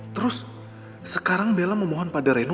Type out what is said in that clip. terus sekarang bella memohon pada reno